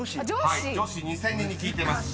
女子２，０００人に聞いてます］